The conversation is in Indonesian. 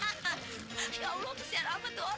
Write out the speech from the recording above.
anggur gini buah